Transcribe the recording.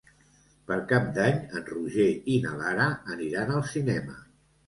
Per Cap d'Any en Roger i na Lara aniran al cinema.